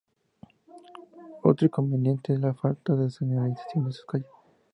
Otro inconveniente es la falta de señalización de sus calles.